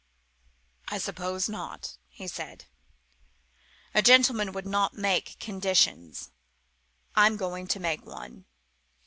"I suppose not," he said; "a gentleman would not make conditions. I'm going to make one.